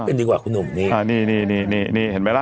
เป็นดีกว่าคุณหนุ่มนี่อ่านี่นี่นี่นี่นี่เห็นไหมล่ะ